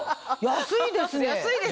安いですね。